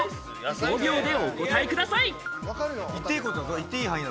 ５秒でお答えください。